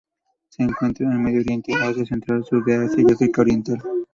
Se encuentra en Medio Oriente, Asia central, sur de Asia y África oriental.